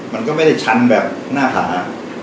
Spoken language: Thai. มันก็ไม่ได้ชันแบบหน้าผา